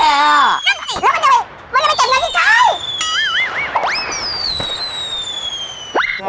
นั่นสิแล้วมันกำลังจะเก็บเงินที่ใคร